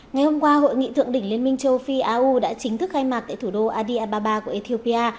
ngày hôm qua hội nghị thượng đỉnh liên minh châu phi au đã chính thức khai mạc tại thủ đô adi ababa của ethiopia